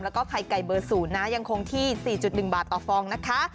แล้วก็ไข่ไก่เบอร์๐นะยังคงที่๔๑บาทต่อฟองนะคะ